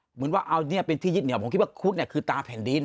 เหมือนว่าเอาเนี่ยเป็นที่ยึดเหนียวผมคิดว่าคุดเนี่ยคือตาแผ่นดิน